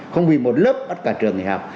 không vì một lớp bắt cả trường nghỉ học